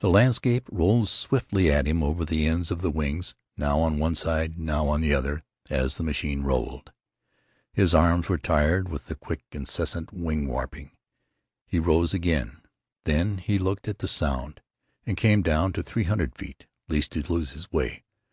The landscape rose swiftly at him over the ends of the wings, now on one side, now on the other, as the machine rolled. His arms were tired with the quick, incessant wing warping. He rose again. Then he looked at the Sound, and came down to three hundred feet, lest he lose his way.